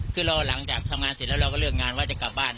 คือเราหลังจากทำงานเสร็จแล้วเราก็เลือกงานว่าจะกลับบ้าน